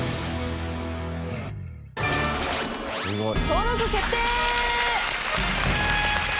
登録決定！